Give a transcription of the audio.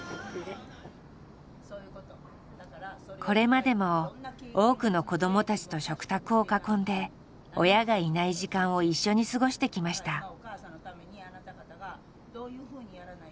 これまでも多くの子どもたちと食卓を囲んで親がいない時間を一緒に過ごしてきました。